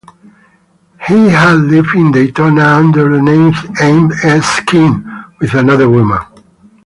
He had lived in Daytona under the name "M. S. King" with another woman.